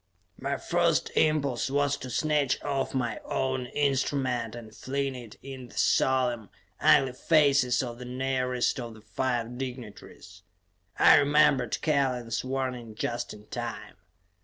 My first impulse was to snatch off my own instrument and fling it in the solemn, ugly faces of the nearest of the five dignataries; I remembered Kellen's warning just in time.